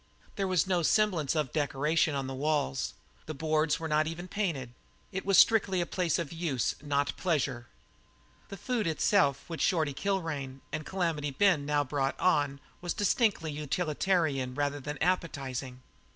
There was no semblance of a decoration on the walls; the boards were not even painted. It was strictly a place for use, not pleasure. The food itself which Shorty Kilrain and Calamity Ben now brought on was distinctly utilitarian rather than appetizing.